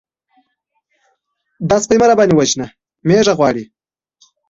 _دا سپۍ مه راباندې وژنه! مېړه غواړي.